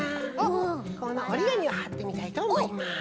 このおりがみをはってみたいとおもいます。